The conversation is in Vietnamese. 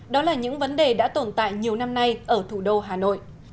đó là những vấn đề đã tồn tại nhiều năm nay ở thủ đô hà nội